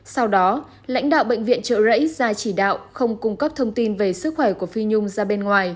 sau đó lãnh đạo bệnh viện trợ rẫy ra chỉ đạo không cung cấp thông tin về sức khỏe của phi nhung